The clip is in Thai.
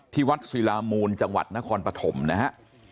ที่วัดศิลามูลจังหวัดนครปฐมนะฮะ